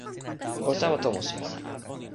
o tawa tomo sina.